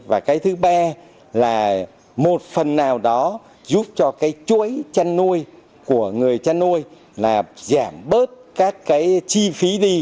và cái thứ ba là một phần nào đó giúp cho cái chuối trang nuôi của người trang nuôi là giảm bớt các cái chi phí đi